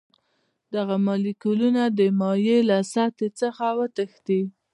دغه مالیکولونه د مایع له سطحې څخه وتښتي.